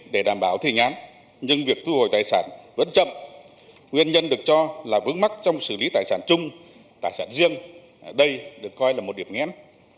đây được coi là một điểm nghen